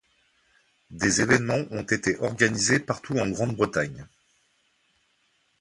Des événements ont été organisés partout en Grande Bretagne.